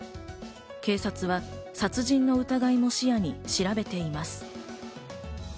警察は殺人の疑いも視野に調べています。